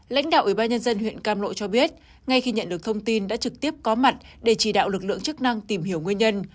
lãnh đạo ủy ban nhân dân huyện cam lộ cho biết ngay khi nhận được thông tin đã trực tiếp có mặt để chỉ đạo lực lượng chức năng tìm hiểu nguyên nhân